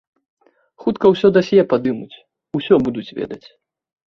Хутка ўсё дасье падымуць, усё будуць ведаць.